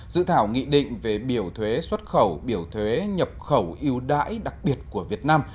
dự thảo nghị định về biểu thuế xuất khẩu biểu thuế nhập khẩu yêu đãi đặc biệt của việt nam